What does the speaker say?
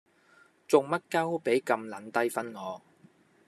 做乜鳩畀咁撚低分我